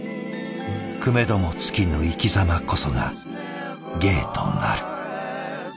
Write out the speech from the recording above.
くめども尽きぬ生きざまこそが芸となる。